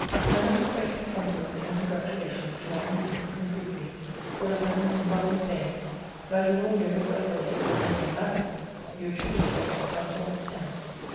My most affectionate compliments and congratulations to my new niece, conclude me, for the present, in violent pain, that with all your heroicalness would make you mad, Your truly affectionate uncle, M.